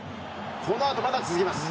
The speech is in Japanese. このあとまだ続きます。